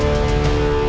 aku akan menangkapmu